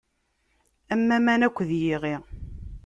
Am aman, akked yiɣi.